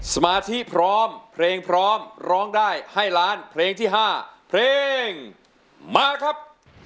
สมาธิพร้อมเพลงพร้อมร้องได้ให้ล้านเพลงที่๕เพลงมาครับ